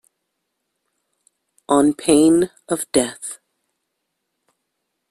On pain of death.